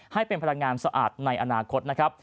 ให้เป็นพลังงานสะอาดในอนาคตนะครับ